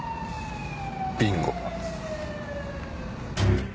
ビンゴ。